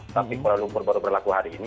tapi kuala lumpur baru berlaku hari ini